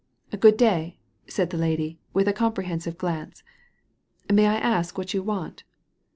Good day !" said the lady, with a comprehensive glance. " May I ask what you want